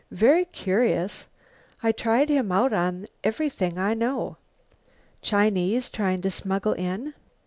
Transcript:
Very curious. I tried him out on everything I know." "Chinese, trying to smuggle in?"